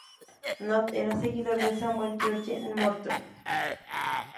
Nott era seguidor de Samuel George Morton.